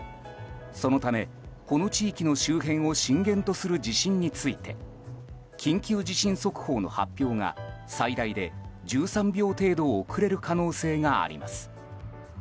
そのため、この地域の周辺を震源とする地震について緊急地震速報の発表が最大で１３秒程度遅れる可能性があります。